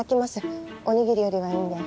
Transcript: おにぎりよりはいいんで。